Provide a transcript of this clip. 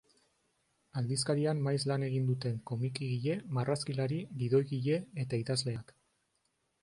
Aldizkarian maiz lan egin duten komikigile, marrazkilari, gidoigile eta idazleak.